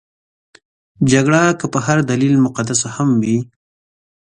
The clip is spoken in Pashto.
جګړه که په هر دلیل مقدسه هم وي.